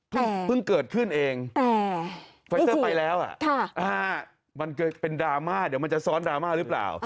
แต่แต่นี่จริงค่ะมันเกิดเป็นดราม่าเดี๋ยวมันจะซ้อนดราม่าหรือเปล่า